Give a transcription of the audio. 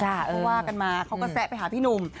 เพราะว่ากันมาเขาก็แซะไปหาพี่หนุ่ม